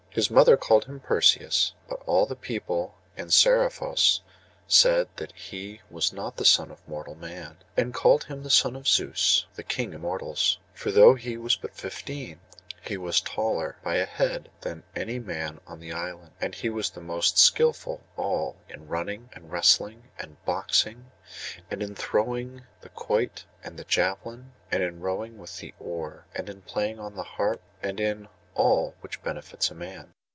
His mother called him Perseus; but all the people in Seriphos said that he was not the son of mortal man, and called him the son of Zeus, the king of the Immortals. For though he was but fifteen, he was taller by a head than any man in the island; and he was the most skilful of all in running and wrestling and boxing, and in throwing the quoit and the javelin, and in rowing with the oar, and in playing on the harp, and in all which befits a man.